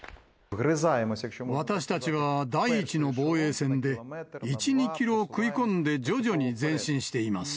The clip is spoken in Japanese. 私たちは第１の防衛線で、１、２キロ食い込んで、徐々に前進しています。